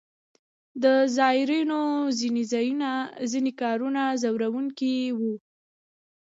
د زایرینو ځینې کارونه ځوروونکي وو.